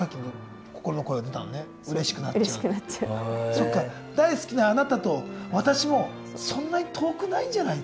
そっか大好きなあなたと私もそんなに遠くないんじゃないと。